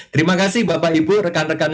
terima kasih bapak ibu rekan rekan